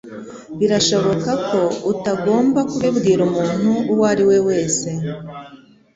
Birashoboka ko utagomba kubibwira umuntu uwo ari we wese